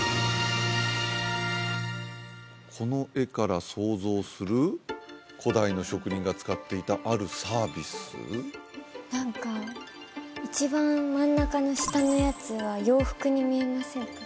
この絵から想像する古代の職人が使っていたあるサービス何か一番真ん中の下のやつは洋服に見えませんか？